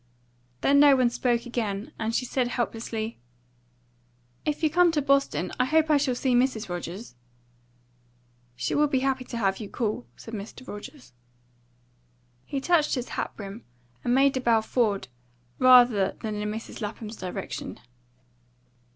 Then no one spoke again, and she said helplessly "If you come to Boston, I hope I shall see Mrs. Rogers." "She will be happy to have you call," said Mr Rogers. He touched his hat brim, and made a bow forward rather than in Mrs. Lapham's direction.